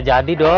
ya jadi dong